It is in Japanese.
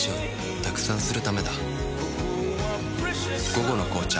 「午後の紅茶」